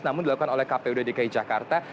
namun dilakukan oleh kpud dki jakarta